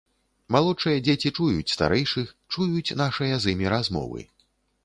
Малодшыя дзеці чуюць старэйшых, чуюць нашыя з імі размовы.